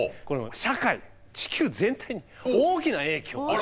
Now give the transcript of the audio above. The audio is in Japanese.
社会地球全体に大きな影響が。